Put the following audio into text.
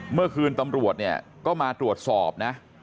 เมื่อคืนตำรวจเนี่ยก็มาตรวจสอบนะ